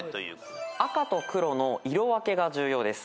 赤と黒の色分けが重要です。